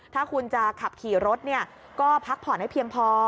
ถ้าคุณจะขับขี่รถก็พักผ่อนให้เพียงพอ